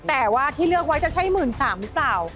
แต่ว่าที่เลือกไว้จะใช่๑๓๐๐หรือเปล่า